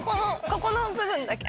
ここの部分だけ。